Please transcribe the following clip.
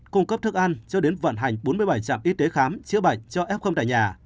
cung cấp thức ăn cho đến vận hành bốn mươi bảy trạm y tế khám chữa bệnh cho ép không tải nhà